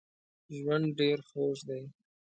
ژوند ډېر خوږ دی